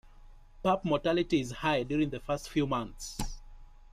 Pup mortality is high during the first few months.